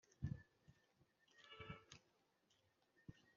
Dawidi asubiza Mikali ati Nabikoreye imbere